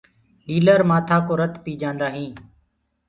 ڏيٚلر مآٿآ ڪو رت پي جآندآ هينٚ۔